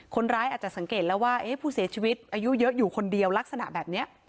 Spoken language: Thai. คนร้ายอาจจะสังเกตแล้วว่าผู้เสียชีวิตอายุเยอะอยู่คนเดียวลักษณะแบบนี้